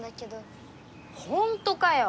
ほんとかよ？